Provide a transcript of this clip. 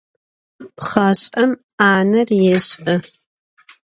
Pxhaş'em 'aner yêş'ı.